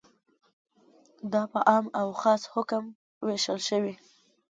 دا په عام او خاص حکم ویشل شوی.